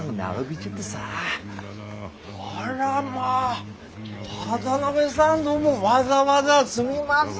あらまあ渡辺さんどうもわざわざすみません。